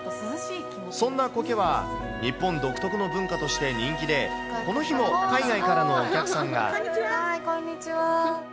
そんなコケは、日本独特の文化として人気で、この日も海外からのこんにちは。